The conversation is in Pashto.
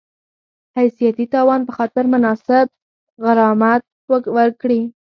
حیثیتي تاوان په خاطر مناسب غرامت ورکړي